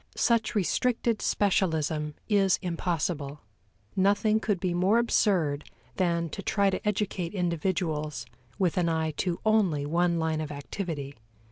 Such restricted specialism is impossible; nothing could be more absurd than to try to educate individuals with an eye to only one line of activity.